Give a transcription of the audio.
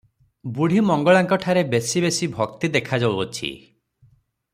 ବୁଢ଼ୀ ମଙ୍ଗଳାଙ୍କ ଠାରେ ବେଶି ବେଶି ଭକ୍ତି ଦେଖାଯାଉଅଛି ।